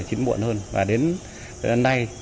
chín muộn hơn và đến nay